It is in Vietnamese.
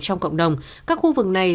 trong cộng đồng các khu vực này